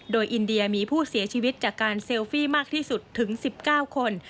โดยอินเดียมีผู้เสียชีวิตจากการเซลฟี่มากที่สุดถึง๑๙คน